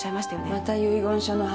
また遺言書の話？